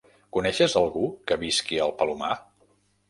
Coneixes algú que visqui al Palomar?